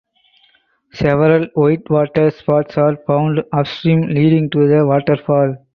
Several white water spots are found upstream leading to the waterfall.